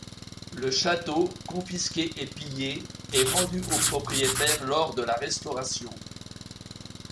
Le château, confisqué et pillé, est rendu aux propriétaires lors de la Restauration.